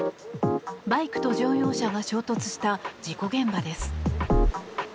バイクと乗用車が衝突した事故現場です。